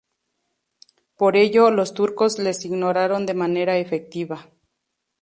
Por ello, los turcos les ignoraron de manera efectiva.